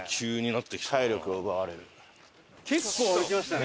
結構歩きましたね。